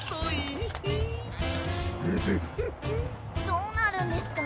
どうなるんですか？